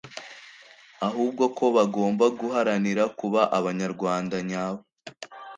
ahubwo ko bagomba guharanira kuba abanyarwanda nyabo